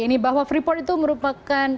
ini bahwa freeport itu merupakan